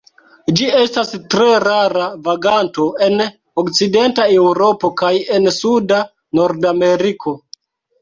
Ĝi estas tre rara vaganto en okcidenta Eŭropo kaj en suda Nordameriko.